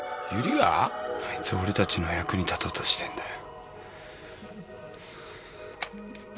あいつ俺たちの役に立とうとしてんだよ。